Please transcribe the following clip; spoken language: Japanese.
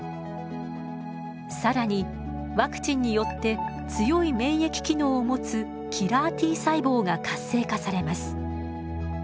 更にワクチンによって強い免疫機能を持つキラーＴ細胞が活性化されます。